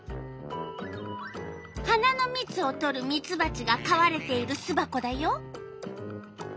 花のみつをとるミツバチがかわれているすばこだよ。